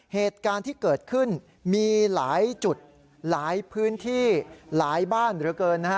เหตุการณ์ที่เกิดขึ้นมีหลายจุดหลายพื้นที่หลายบ้านเหลือเกินนะฮะ